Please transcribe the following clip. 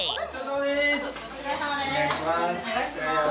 お願いします。